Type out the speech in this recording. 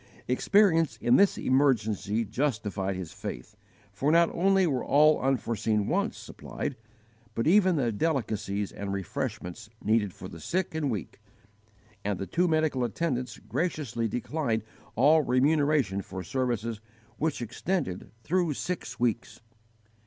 Experience in this emergency justified his faith; for not only were all unforeseen wants supplied, but even the delicacies and refreshments needful for the sick and weak; and the two medical attendants graciously declined all remuneration for services which extended through six weeks.